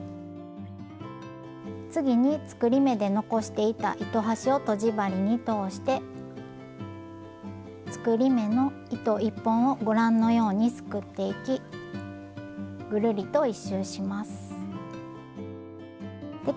次に作り目で残していた糸端をとじ針に通して作り目の糸１本をご覧のようにすくっていきぐるりと１周します。